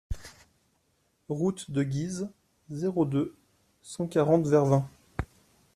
Route de Guise, zéro deux, cent quarante Vervins